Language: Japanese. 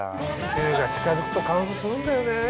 冬が近づくと乾燥するんだよねぇ。